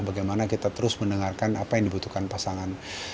bagaimana kita terus mendengarkan apa yang dibutuhkan pasangan